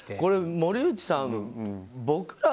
森内さん